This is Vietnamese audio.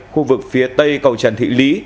khu vực phía tây cầu trần thị lý